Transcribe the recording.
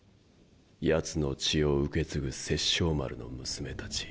やつの血を受け継ぐ殺生丸の娘達。